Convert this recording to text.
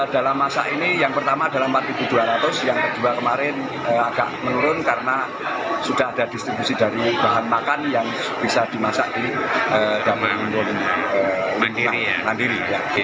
dalam masak ini yang pertama adalah rp empat dua ratus yang kedua kemarin agak menurun karena sudah ada distribusi dari bahan makan yang bisa dimasak di dapur umum yang mandiri